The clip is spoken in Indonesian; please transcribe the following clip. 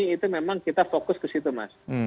itu memang kita fokus ke situ mas